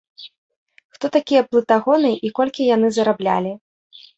Хто такія плытагоны і колькі яны зараблялі?